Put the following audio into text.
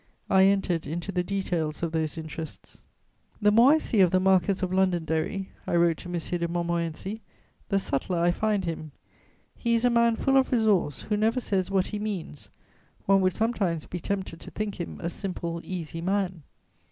I entered into the details of those interests: "The more I see of the Marquess of Londonderry," I wrote to M. de Montmorency, "the subtler I find him. He is a man full of resource, who never says what he means; one would sometimes be tempted to think him a simple, easy man.